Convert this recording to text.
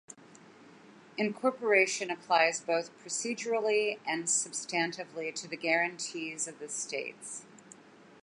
Incorporation applies both procedurally and substantively to the guarantees of the states.